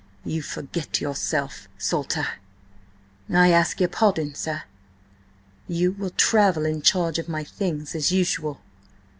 "You forget yourself, Salter." "I ask your pardon, sir." "You will travel in charge of my things, as usual."